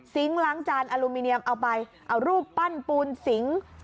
ล้างจานอลูมิเนียมเอาไปเอารูปปั้นปูนสิง